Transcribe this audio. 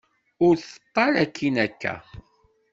Ur teṭṭal akkin akka.